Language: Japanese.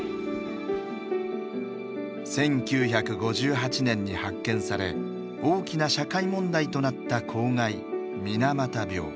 １９５８年に発見され大きな社会問題となった公害水俣病。